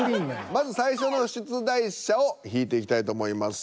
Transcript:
まず最初の出題者を引いていきたいと思います。